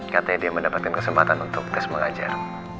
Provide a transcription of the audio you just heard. katanya dia mendapatkan kesempatan untuk tes mengajar